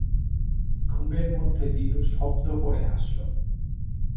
ঘুমের মধ্যে দিনু শব্দ করে হাসল।